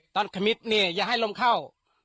ตอนคมิตอย่าให้ลมเข้า